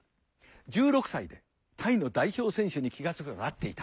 １６歳でタイの代表選手に気が付けばなっていた。